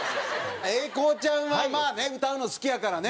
英孝ちゃんはまあね歌うの好きやからね。